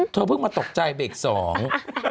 เธอเพิ่งมาตกใจเบรกสอง